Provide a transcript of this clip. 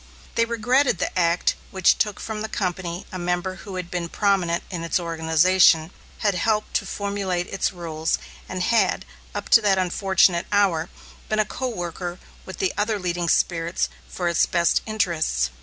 They regretted the act which took from the company a member who had been prominent in its organization, had helped to formulate its rules, and had, up to that unfortunate hour, been a co worker with the other leading spirits for its best interests.